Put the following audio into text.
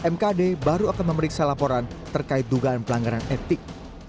mkd baru akan memeriksa laporan terkait dugaan pelanggaran etik